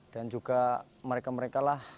dan juga mereka mereka lah